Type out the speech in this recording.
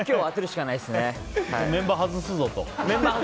メンバー外すぞと。